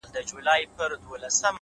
ژمنتیا له خوبه عمل جوړوي؛